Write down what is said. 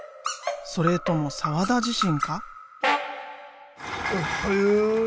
それとも澤田自身か？